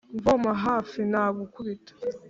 Mvoma hafi nagukubita.